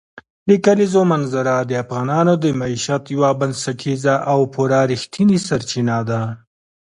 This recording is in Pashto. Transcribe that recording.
د کلیزو منظره د افغانانو د معیشت یوه بنسټیزه او پوره رښتینې سرچینه ده.